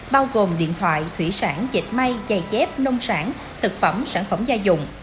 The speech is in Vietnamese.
bao gồm điện thoại thủy sản dịch may chày chép nông sản thực phẩm sản phẩm gia dùng